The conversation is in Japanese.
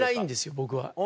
僕は。